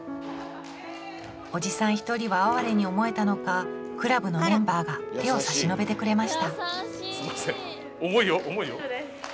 おじさん１人は哀れに思えたのかクラブのメンバーが手を差し伸べてくれましたすみません。